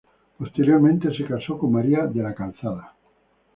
Posteriormente casó con María de la Calzada.